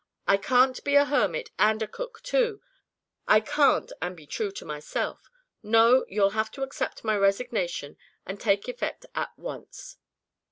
I can't be a hermit and a cook, too. I can't and be true to myself. No, you'll have to accept my resignation, to take effect at once."